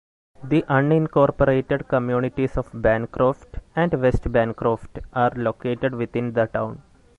The unincorporated communities of Bancroft and West Bancroft are located within the town.